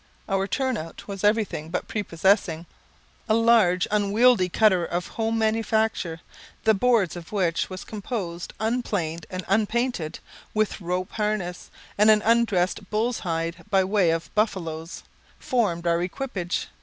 Our turn out was everything but prepossessing. A large unwieldy cutter of home manufacture, the boards of which it was composed unplained and unpainted, with rope harness, and an undressed bull's hide by way of buffalo's, formed our equipage.